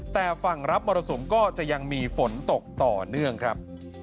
แต่ฝั่งรับมรสุมก็จะยังมีฝนตกต่อเนื่องครับ